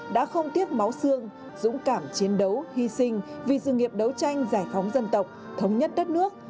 đã không tiếc máu xương dũng cảm chiến đấu hy sinh vì sự nghiệp đấu tranh giải phóng dân tộc thống nhất đất nước